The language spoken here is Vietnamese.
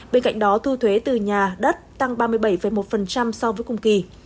bên cạnh đó thu thuế từ nhà đất tăng ba mươi bảy một so với cùng kỳ